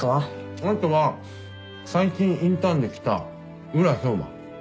あとは最近インターンで来た宇良豹馬。